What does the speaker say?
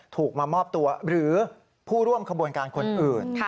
ถูกมามอบตัวหรือผู้ร่วมขบวนการคนอื่น